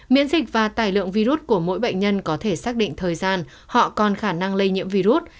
miễn dịch và tài lượng virus của mỗi bệnh nhân có thể xác định thời gian họ còn khả năng lây nhiễm virus